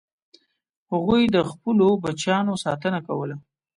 هغوی د خپلو بچیانو ساتنه کوله.